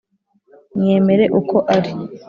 mwemere uko ari,